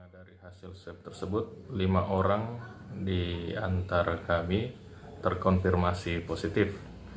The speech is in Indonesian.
dari hasil swab tersebut lima orang di antara kami terkonfirmasi positif